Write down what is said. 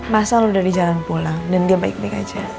mas al udah di jalan pulang dan dia baik baik aja